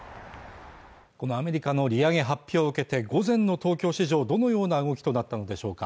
このアメリカの利上げ発表を受けて午前の東京市場どのような動きとなったのでしょうか